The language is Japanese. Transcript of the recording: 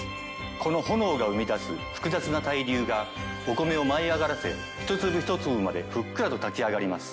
この炎が生み出す複雑な対流がお米を舞い上がらせ一粒一粒までふっくらと炊き上がります。